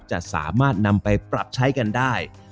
จะสามารถนำไปปรับใช้กันได้